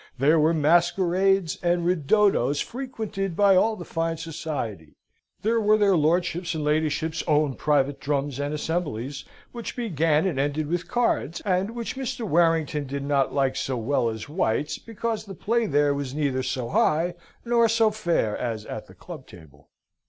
There were masquerades and ridottos frequented by all the fine society; there were their lordships' and ladyships' own private drums and assemblies, which began and ended with cards, and which Mr. Warrington did not like so well as White's, because the play there was neither so high nor so fair as at the club table.